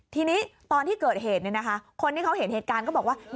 ทีนี้ตอนที่เกิดเหตุคนที่เขาเห็นเหตุการณ์ก็บอกว่า